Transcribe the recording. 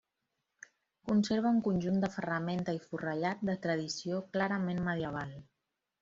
Conserva un conjunt de ferramenta i forrellat de tradició clarament medieval.